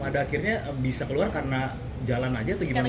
pada akhirnya bisa keluar karena jalan aja atau gimana